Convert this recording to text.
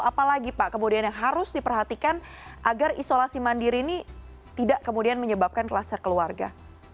apalagi pak kemudian yang harus diperhatikan agar isolasi mandiri ini tidak kemudian menyebabkan kluster keluarga